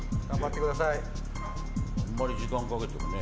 あんまり時間をかけてもね。